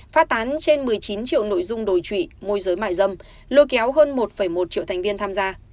phát tán trên một mươi chín triệu nội dung đổi trụy môi giới mại dâm lôi kéo hơn một một triệu thành viên tham gia